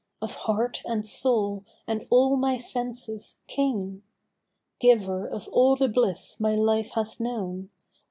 Of heart and soul and all my senses King ! Giver of all the bliss my life has known